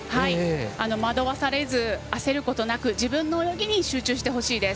惑わされず、焦ることなく自分の泳ぎに集中してほしいです。